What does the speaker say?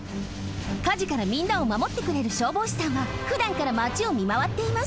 かじからみんなをまもってくれる消防士さんはふだんからマチをみまわっています。